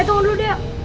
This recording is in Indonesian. eh tunggu dulu dea